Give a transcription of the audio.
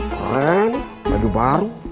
keren badu baru